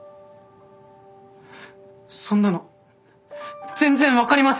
そんなの全然分かりません。